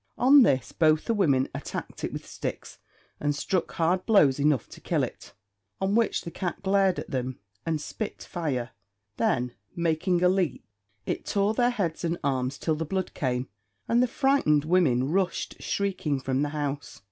On this, both the women attacked it with sticks, and struck hard blows enough to kill it, on which the cat glared at them, and spit fire; then, making a leap, it tore their heads and arms till the blood came, and the frightened women rushed shrieking from the house.